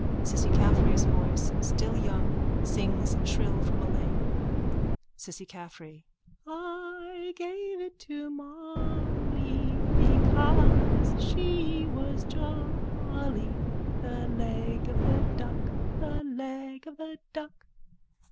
Cissy Caffrey's voice, still young, sings shrill from a lane.)_ CISSY CAFFREY: I gave it to Molly Because she was jolly, The leg of the duck, The leg of the duck.